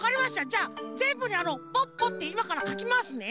じゃあぜんぶにあの「ポッポ」っていまからかきますね。